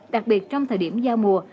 đặc biệt trong thời điểm giao mùa